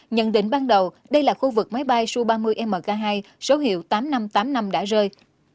nhận định ban đầu đây là khu vực máy bay su ba mươi mk hai số hiệu tám nghìn năm trăm tám mươi năm đã rơi